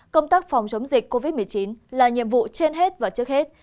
công tác phòng chống dịch covid một mươi chín là nhiệm vụ trên hết và trước hết